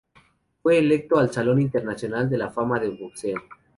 Fue electo al Salón Internacional de la Fama del Boxeo.